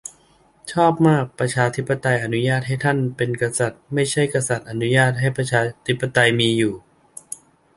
ชอบมาก " ประชาธิปไตยอนุญาตให้ท่านเป็นกษัติย์ มิใช่กษัติย์อนุญาตให้ประชาธิปไตยมีอยู่ "